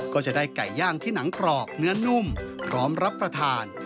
ก็จะได้ไก่ย่างที่หนังกรอบเนื้อนุ่มพร้อมรับประทาน